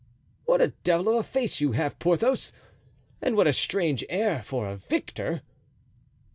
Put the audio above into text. "What a devil of a face you have, Porthos! and what a strange air for a victor!"